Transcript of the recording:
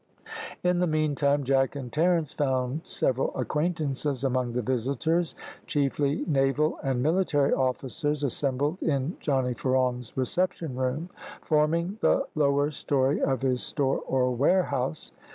In the meantime Jack and Terence found several acquaintances among the visitors, chiefly naval and military officers, assembled in Johnny Ferong's reception room, forming the lower storey of his store or warehouse.